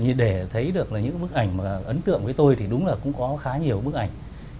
như để thấy được những bức ảnh ấn tượng với tôi thì đúng là cũng có khá nhiều bức ảnh